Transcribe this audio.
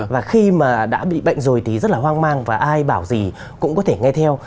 và khi mà đã bị bệnh rồi thì rất là hoang mang và ai bảo gì cũng có thể nghe theo